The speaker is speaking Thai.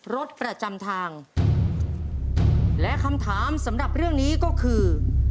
รถประจำทางและคำถามสำหรับเรื่องนี้ก็คือ